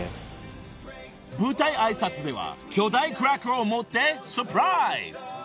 ［舞台挨拶では巨大クラッカーを持ってサプライズ］